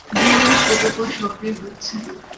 জরুরী প্রোটোকল সক্রিয় হচ্ছে।